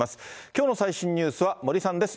きょうの最新ニュースは森さんです。